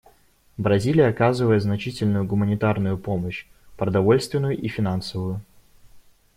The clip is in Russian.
Бразилия оказывает значительную гуманитарную помощь — продовольственную и финансовую.